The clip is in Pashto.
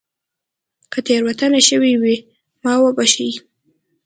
که تېروتنه شوې وي ما وبښئ